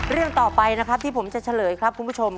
เรื่องต่อไปนะครับที่ผมจะเฉลยครับคุณผู้ชม